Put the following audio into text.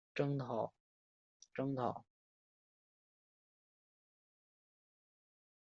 宪宗发兵征讨。